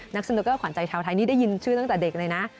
สนุกเกอร์ขวัญใจชาวไทยนี่ได้ยินชื่อตั้งแต่เด็กเลยนะ